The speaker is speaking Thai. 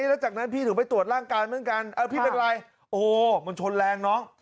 แล้วจากนั้นพี่ถึงไปตรวจร่างกายเหมือนกันพี่เป็นไรโอ้โหมันชนแรงน้อง